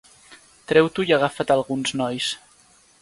Treu-t'ho i agafa't a alguns nois.